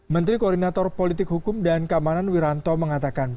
menteri koordinator politik hukum dan keamanan wiranto mengatakan